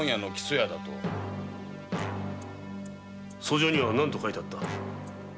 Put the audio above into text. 訴状には何と書いてあった？